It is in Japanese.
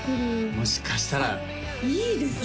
もしかしたらいいですね